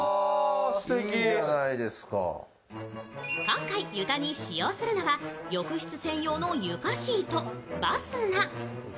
今回床に使用するのは、浴室専用の床シート、バスナ。